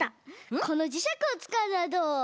このじしゃくをつかうのはどう？